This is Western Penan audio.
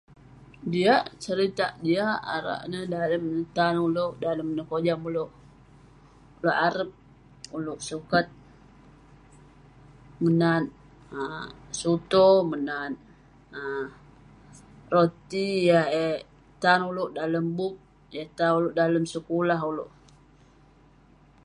Jiak seritak, jiak arak neh, dalem tan ulouk dalem neh kojam ulouk..arep arep ulouk sukat menat um suto, menat um roti eh tan ulouk dalem bup, yah tan ulouk dalem sekulah ulouk..